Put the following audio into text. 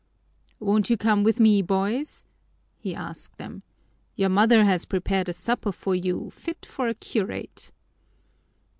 "Won't you come with me, boys?" he asked them. "Your mother has prepared a supper for you fit for a curate."